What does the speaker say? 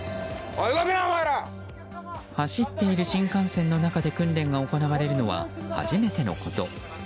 走っている新幹線の中で訓練が行われるのは初めてのこと。